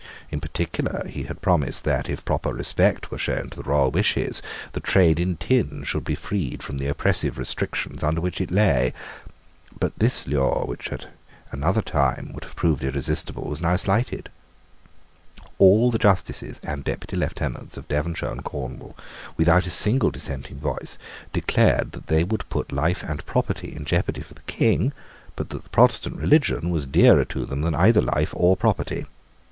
In particular he had promised that, if proper respect were shown to the royal wishes, the trade in tin should be freed from the oppressive restrictions under which it lay. But this lure, which at another time would have proved irresistible, was now slighted. All the justices and Deputy Lieutenants of Devonshire and Cornwall, without a single dissenting voice, declared that they would put life and property in jeopardy for the King, but that the Protestant religion was dearer to them than either life or property.